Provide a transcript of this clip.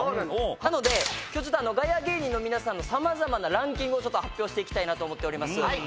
なので今日ガヤ芸人のさまざまなランキングを発表して行きたいなと思っております。